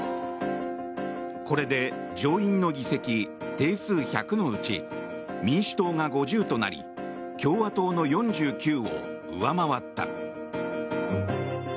これで上院の議席定数１００のうち民主党が５０となり共和党の４９を上回った。